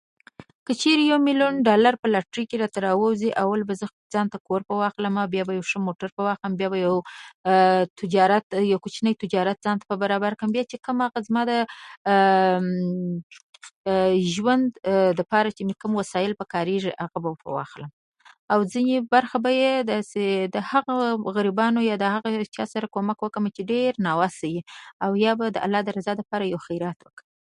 که چېرې يو ميليون ډالر په لاټرۍ کې راته راووزي، اول به زه خپل ځان ته ښه کور پرې واخلمه. بیا به یو ښه موټر پرې واخلم، بیا به یو تجارت، یو کوچنی تجارت ځان ته پرې برابر کړم. بیا چې کوم هغه زما د ژوند دپاره کوم وسایل پکارېږي، هغه به پرې واخلم، او ځینې برخه به یې داسې د هغه غریبانو یا د هغه چا سره کومک وکړم چې ډېر ناوسه وي، او یا به د الله د رضا لپاره یو خیرات وکړم.